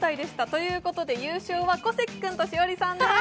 ということで、優勝は小関君と栞里さんです。